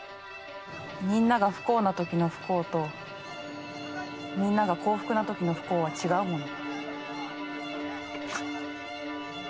みんなが不幸な時の不幸とみんなが幸福な時の不幸は違うもの。